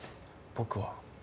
僕は。